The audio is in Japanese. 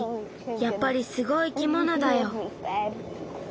やっぱりすごい生き物だよ。